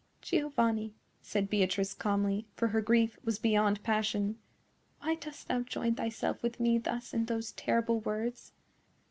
"Giovanni," said Beatrice, calmly, for her grief was beyond passion, "why dost thou join thyself with me thus in those terrible words?